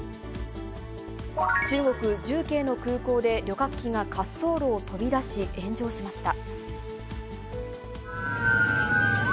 中国・重慶の空港で、旅客機が滑走路を飛び出し、炎上しました。